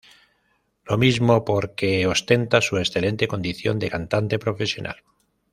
Lo mismo por que ostenta su excelente condición de cantante profesional.